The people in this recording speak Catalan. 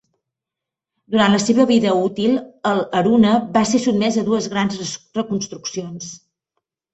Durant la seva vida útil, el "Haruna" va ser sotmès a dues grans reconstruccions.